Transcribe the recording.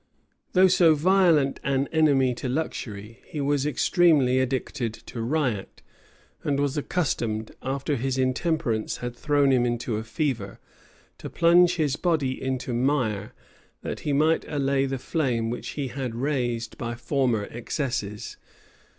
[*] Though so violent an enemy to luxury, he was extremely addicted to riot; and was accustomed, after his intemperance had thrown him into a fever, to plunge his body into mire, that he might allay the flame which he had raised by former excesses.